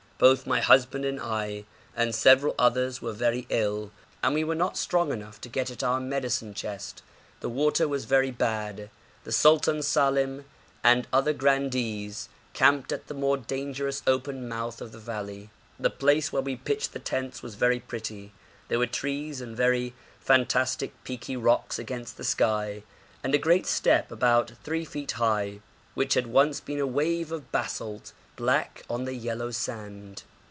Both my husband and I, and several others were very ill, and we were not strong enough to get at our medicine chest. The water was very bad. The Sultan Salem and other grandees camped at the more dangerous open mouth of the valley. The place where we pitched the tents was very pretty. There were trees and very fantastic peaky rocks against the sky, and a great step about 3 feet high, which had once been a wave of basalt, black on the yellow sand.